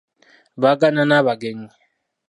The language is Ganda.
Bagaana n'abagenyi